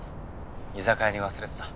居酒屋に忘れてた。